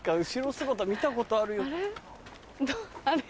あれ？